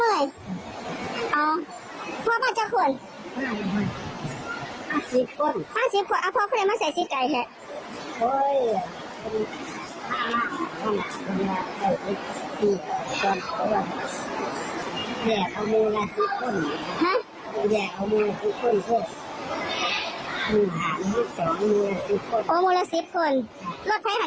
อืมอันนี้เอามาห่วงก่อนไม่เจอคนเยอะหลาย